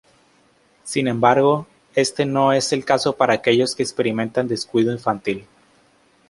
Sin embargo, este no es el caso para aquellos que experimentan descuido infantil.